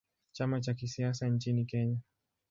Chama cha kisiasa nchini Kenya.